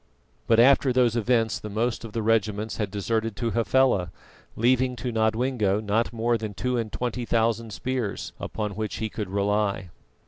But after those events the most of the regiments had deserted to Hafela, leaving to Nodwengo not more than two and twenty thousand spears upon which he could rely.